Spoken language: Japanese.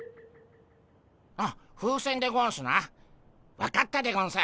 あ風船でゴンスな分かったでゴンス。